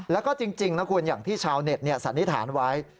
แล้วก็จริงนะคุณอย่างที่ชาวเน็ตสันนิษฐานไว้